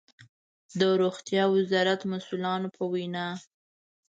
د روغتيا وزارت مسؤلانو په وينا